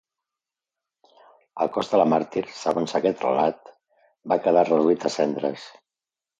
El cos de la màrtir, segons aquest relat, va quedar reduït a cendres.